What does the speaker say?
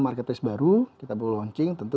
marketer baru kita baru launching tentu